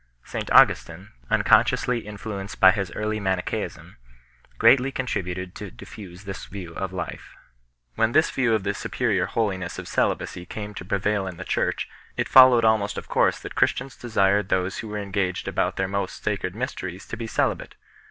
St Augustin, unconsciously in fluenced by his early Manichseism, greatly contributed to diffuse this view of life \ When this view of the superior holiness of celibacy came to prevail in the Church, it followed almost of course that Christians desired those who were engaged about their most sacred mysteries to be celibate.